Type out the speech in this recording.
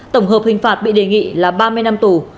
tổng hợp hình phạt bị đề nghị là ba mươi năm tù